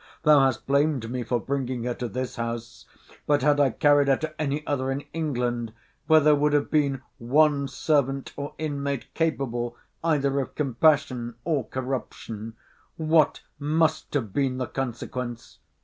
Thou hast blamed me for bringing her to this house: but had I carried her to any other in England, where there would have been one servant or inmate capable either of compassion or corruption, what must have been the consequence?